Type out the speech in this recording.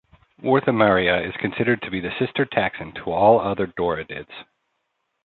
"Wertheimeria" is considered to be the sister taxon to all other doradids.